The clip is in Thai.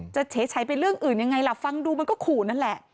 เฉยไปเรื่องอื่นยังไงล่ะฟังดูมันก็ขู่นั่นแหละ